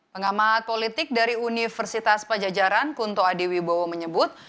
pengamat politik dari universitas pajajaran kunto adiwibowo menyebut